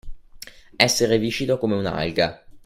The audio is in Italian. Essere viscido come un'alga.